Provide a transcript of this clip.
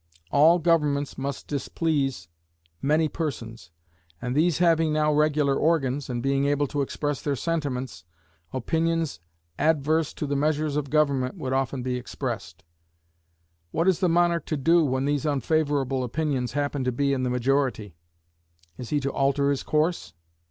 All governments must displease many persons, and these having now regular organs, and being able to express their sentiments, opinions adverse to the measures of government would often be expressed. What is the monarch to do when these unfavorable opinions happen to be in the majority? Is he to alter his course?